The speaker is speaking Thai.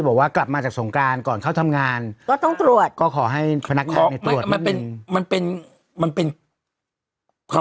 บอกว่ากลับมาจากสงการก่อนเข้าทำงานก็ต้องตรวจก็ขอให้พนักทาง